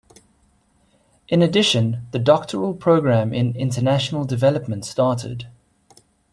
In addition, the Doctoral Program in International Development started.